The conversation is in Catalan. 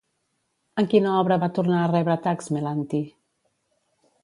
En quina obra va tornar a rebre atacs Melanti?